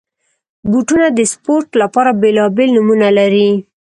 بوټونه د سپورټ لپاره بېلابېل نومونه لري.